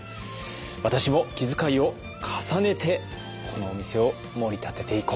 私も気遣いを重ねてこのお店をもり立てていこう！